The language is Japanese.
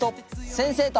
先生と。